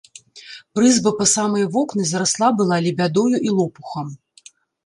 Прызба па самыя вокны зарасла была лебядою і лопухам.